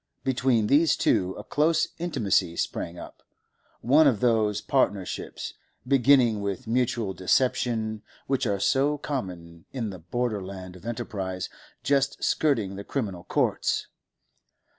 Between these two a close intimacy sprang up, one of those partnerships, beginning with mutual deception, which are so common in the border land of enterprise just skirting the criminal courts.